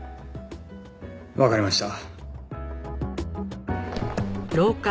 わかりました。